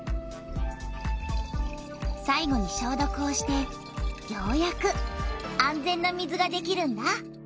さいごにしょうどくをしてようやく安全な水ができるんだ。